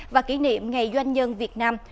và kỷ niệm ngày doanh nhân việt nam